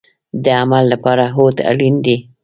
د عمل لپاره هوډ اړین دی